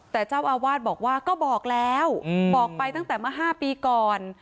แต่เจ้าอาวาสบอกว่าก็บอกแล้วบอกไปตั้งแต่เมื่อ๕ปีก่อน